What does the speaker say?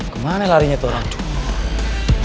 kemana larinya tuh orang tuh